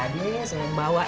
biar kakak ini senang membawa